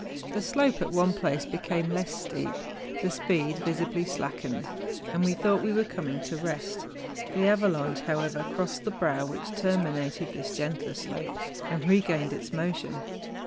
The slope at one place became less steep, the speed visibly slackened, and we thought we were coming to rest; the avalanche, however, crossed the brow which terminated this gentler slope, and regained its motion.